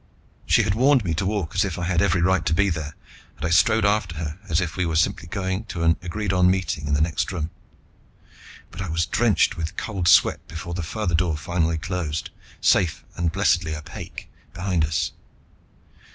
She had warned me to walk as if I had every right to be there, and I strode after her as if we were simply going to an agreed on meeting in the next room. But I was drenched with cold sweat before the farther door finally closed, safe and blessedly opaque, behind us.